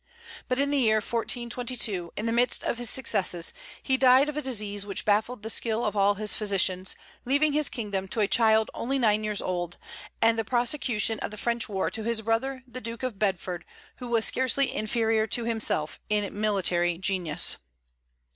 But in the year 1422, in the midst of his successes, he died of a disease which baffled the skill of all his physicians, leaving his kingdom to a child only nine years old, and the prosecution of the French war to his brother the Duke of Bedford, who was scarcely inferior to himself in military genius.